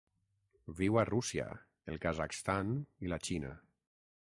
Viu a Rússia, el Kazakhstan i la Xina.